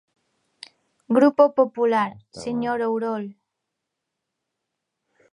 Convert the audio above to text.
Grupo Popular, señor Ourol.